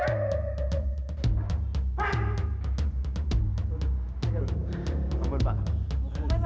gak tau pak